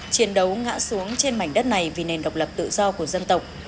chiến đấu ngã xuống trên mảnh đất này vì nền độc lập tự do của dân tộc